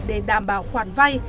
để đảm bảo khoản vay